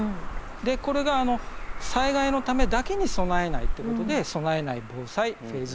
これが災害のためだけに備えないっていうことで備えない防災フェーズ